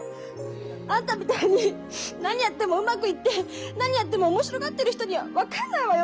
あんたみたいに何やってもうまくいって何やっても面白がってる人には分かんないわよ